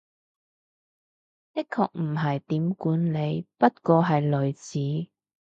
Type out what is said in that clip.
的確唔係點管理，不過係類似